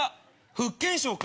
福建省か！